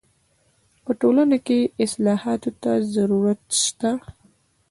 په ټولنه کي اصلاحاتو ته ضرورت سته.